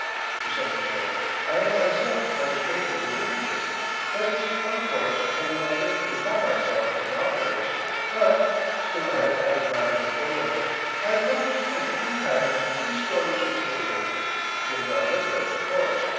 To some extent I am myself not a stranger to literature that is, of course ... I will not venture to call myself an authoress, but ... still I have added my little quota ... I have published at different times three stories for children. ... You have not read them, of course.